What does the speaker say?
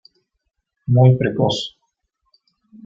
Muy precoz.